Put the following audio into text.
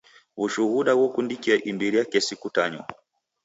W'ushuda ghokundika imbiri ya kesi kutanywa.